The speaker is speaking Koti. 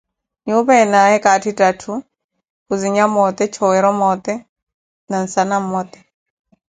Nyuupa enaaye katthi tatthu, khuzinya moote, coworo moote na nsana mmote.